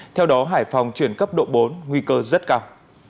theo đó hải phòng chuyển cấp độ bốn nguy cơ rất cao